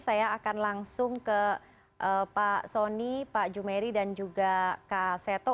saya akan langsung ke pak soni pak jumeri dan juga kak seto